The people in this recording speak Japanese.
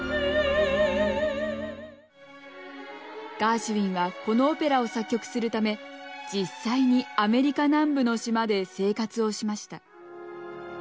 ガーシュウィンはこのオペラを作曲するため実際にアメリカ南部の島で生活をしました。